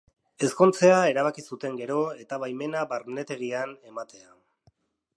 Ezkontzea erabaki zuten gero eta baimena barnetegian ematea.